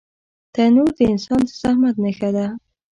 تنور د انسان د زحمت نښه ده